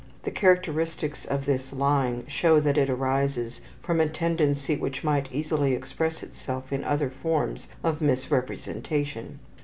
The characteristics of this lying show that it arises from a tendency which might easily express itself in other forms of misrepresentation.